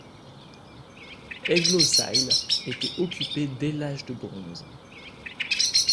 Egloshayle était occupé dès l’âge de bronze.